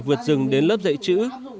vượt dừng đến lớp dạy chữ